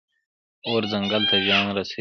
اور ځنګل ته زیان رسوي.